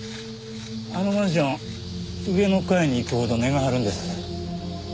あのマンション上の階に行くほど値が張るんです。